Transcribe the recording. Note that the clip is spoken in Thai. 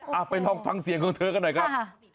เอาไปลองฟังเสียงของเธอกันหน่อยครับ